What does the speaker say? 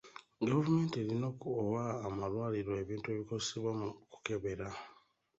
Gavumenti erina okuwa amalwaliro ebintu ebikozesebwa mu kukebera.